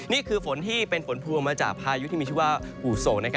นี่คือฝนที่เป็นฝนพวงมาจากพายุที่มีชื่อว่าอูโซ